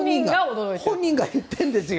本人が言ってるんですよ。